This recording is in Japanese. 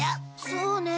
そうねえ。